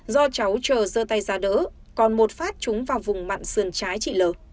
do cháu tr rơ tay ra đỡ còn một phát chúng vào vùng mặn sườn trái chị l